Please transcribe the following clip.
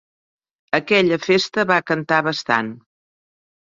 Aquella festa va cantar bastant.